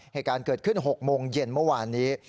เหตุการณ์เกิดขึ้น๖โมงเย็นเมื่อวานนี้